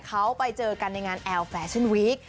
เขาไปเจอกันในงานแอลแฟชั่นวีค